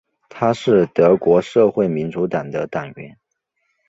他是德国社会民主党的党员。